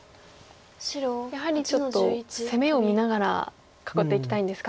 やはりちょっと攻めを見ながら囲っていきたいんですか。